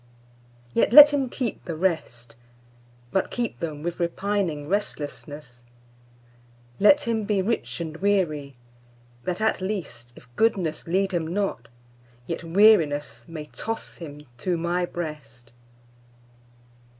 Yet let him keep the rest, But keep them with repining restlessness; Let him be rich and weary, that at least, If goodness lead him not, yet wearinessMay toss him to My breast.